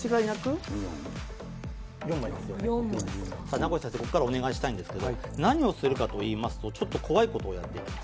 名越先生、ここからお願いしたいんですけれども、何をするかといいますと、ちょっと怖いことをやっていきます。